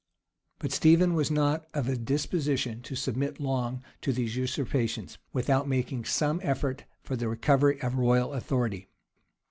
] But Stephen was not of a disposition to submit long to these usurpations, without making some effort for the recovery of royal authority.